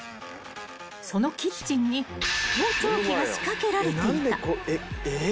［そのキッチンに盗聴器が仕掛けられていた］